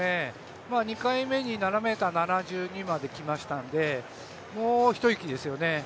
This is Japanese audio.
２回目に７ｍ７２まできましたんでもう一息ですよね。